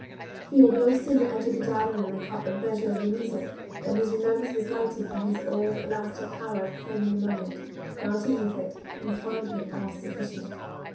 He had no sooner entered the dining room and caught the measure of the music than his remembrance was lightened by his old elastic power of claiming the moment, mounting with it, and finding it all sufficient.